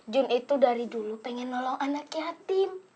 jun itu dari dulu pengen nolong anak yatim